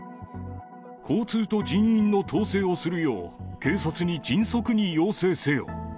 交通と人員の統制をするよう、警察に迅速に要請せよ。